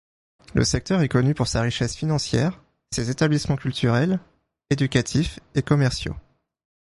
Le secteur est connu pour sa richesse financière, ses établissements culturels, éducatifs et commerciaux.